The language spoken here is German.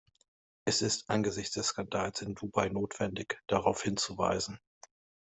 Es ist angesichts des Skandals in Dubai notwendig, darauf hinzuweisen.